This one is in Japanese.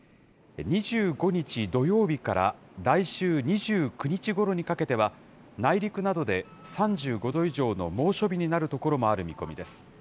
２５日土曜日から来週２９日ごろにかけては、内陸などで３５度以上の猛暑日になる所もある見込みです。